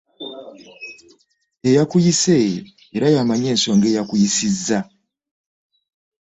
Eyakuyise era y'amanyi ensonga eyakuyisizza.